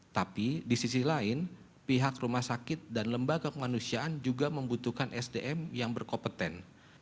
tapi di sisi lain pihak rumah sakit dan lembaga kemanusiaan juga membutuhkan sdm yang berkompeten